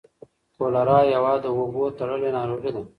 کولرا یوه د اوبو تړلۍ ناروغي ده.